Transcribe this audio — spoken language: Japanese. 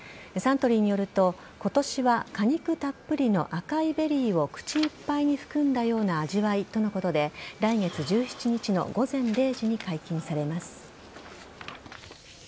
サントリーによると今年は、果肉たっぷりの赤いベリーを口いっぱいに含んだような味わいとのことで来月１７日の午前０時に解禁されます。